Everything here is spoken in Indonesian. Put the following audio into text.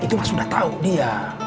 itu sudah tau dia